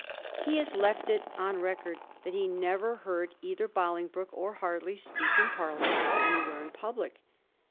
He has left it on record that he never heard either Bolingbroke or Harley speak in Parliament or anywhere in public.